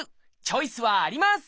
チョイスはあります！